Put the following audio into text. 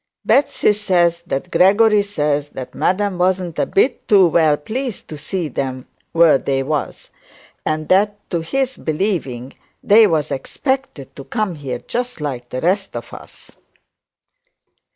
'Betsey says that Gregory says that madam wasn't a bit too well pleased to see them where they was and that, to his believing, they was expected to come here just like the rest of us.'